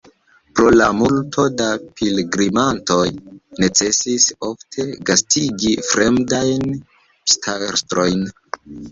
Pro la multo da pilgrimantoj necesis ofte gastigi fremdajn pstastrojn.